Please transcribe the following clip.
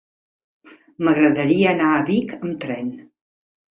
M'agradaria anar a Vic amb tren.